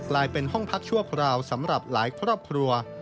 เป็นห้องพักชั่วคราวสำหรับหลายครอบครัว